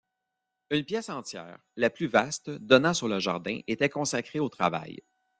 Une pièce entière, la plus vaste, donnant sur le jardin, était consacrée au travail.